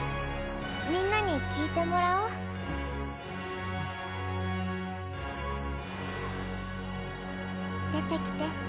みんなに聴いてもらおう？出てきて。